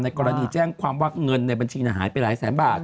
กรณีแจ้งความว่าเงินในบัญชีหายไปหลายแสนบาท